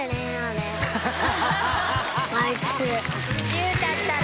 「佑太ったら」。